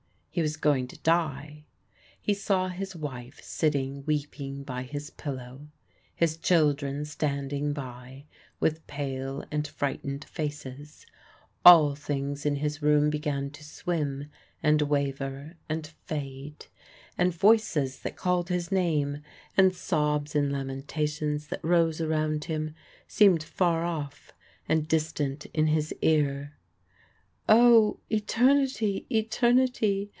He was going to die. He saw his wife sitting weeping by his pillow his children standing by with pale and frightened faces; all things in his room began to swim, and waver, and fade, and voices that called his name, and sobs and lamentations that rose around him, seemed far off and distant in his ear. "O eternity, eternity!